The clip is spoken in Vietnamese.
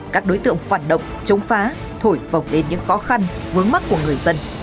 các đối tượng phản động chống phá thổi phồng lên những khó khăn vướng mắt của người dân